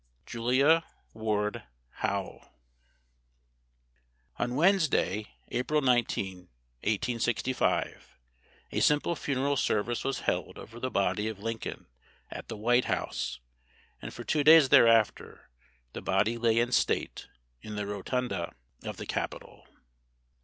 JULIA WARD HOWE. On Wednesday, April 19, 1865, a simple funeral service was held over the body of Lincoln at the White House, and for two days thereafter the body lay in state in the rotunda of the Capitol.